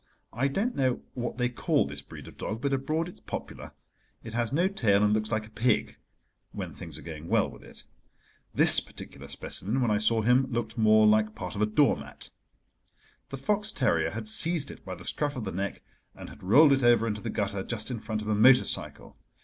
I don't know what they call this breed of dog, but abroad it is popular: it has no tail and looks like a pig—when things are going well with it. This particular specimen, when I saw him, looked more like part of a doormat. The fox terrier had seized it by the scruff of the neck and had rolled it over into the gutter just in front of a motor cycle.